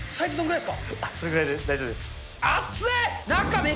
それぐらいで大丈夫です。